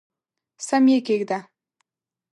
سم یې کښېږده !